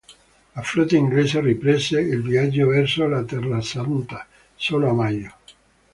La flotta inglese riprese il viaggio verso la Terrasanta solo a maggio.